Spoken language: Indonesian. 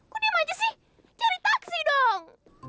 kok diem aja sih cari taksi dong